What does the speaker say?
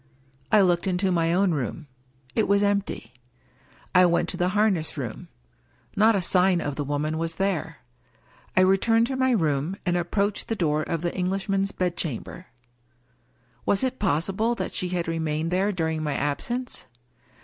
I looked into my own room. It was empty. I went to the harness room. Not a sign of the woman was there. I returned to my room, and approached the door of the Eng lishman's bedchamber. Was it possible that she had re mained there during my absence?